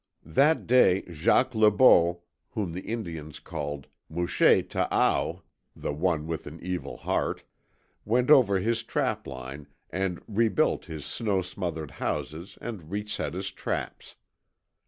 That day Jacques Le Beau whom the Indians called "Muchet ta aao" (the One with an Evil Heart) went over his trapline and rebuilt his snow smothered "houses" and re set his traps.